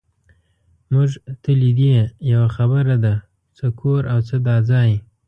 مونږ ته لیدې، یوه خبره ده، څه کور او څه دا ځای.